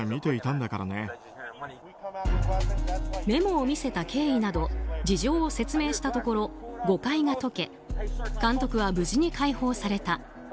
メモを見せた経緯など事情を説明したところ誤解が解け監督は無事に解放された。